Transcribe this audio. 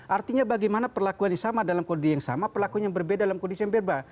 artinya bagaimana perlakuan yang sama dalam kondisi yang sama perlakuan yang berbeda dalam kondisi yang berbeda